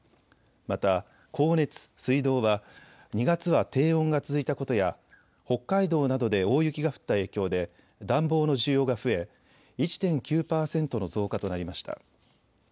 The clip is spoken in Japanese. また、光熱・水道は２月は低温が続いたことや北海道などで大雪が降った影響で暖房の需要が増え１．９％の増加となりました。